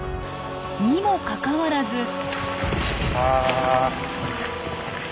にもかかわらず。